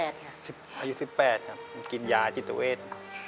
๑๘ครับอายุ๑๘ครับกินยาจิตเตอเวท